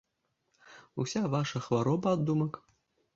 Уся ваша хвароба ад думак.